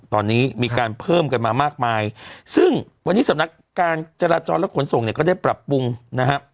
ตอนนี้มีการเพิ่มกันมามากมายซึ่งวันนี้สำนักการจราจรและขนส่งเนี่ยก็ได้ปรับปรุงนะฮะ